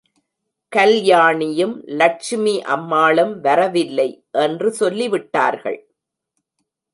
கல்யாணியும், லட்சுமி அம்மாளும் வரவில்லை என்று சொல்லி விட்டார்கள்.